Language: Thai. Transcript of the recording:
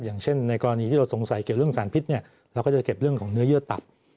อย่างเช่นในกรณีที่เราสงสัยเกี่ยวเรื่องสารพิษเราก็จะเก็บเรื่องของเนื้อเยื่อตับ